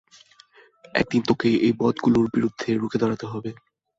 একদিন তোকেই এই বদগুলোর বিরুদ্ধে রুখে দাঁড়াতে হবে।